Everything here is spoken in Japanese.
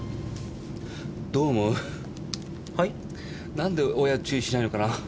なんで親注意しないのかな。